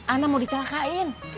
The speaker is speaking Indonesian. ana mau dicelakain